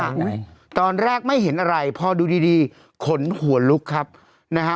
ไหนตอนแรกไม่เห็นอะไรพอดูดีดีขนหัวลุกครับนะฮะ